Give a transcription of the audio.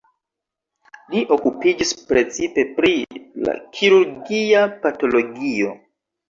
Li okupiĝis precipe pri la kirurgia patologio.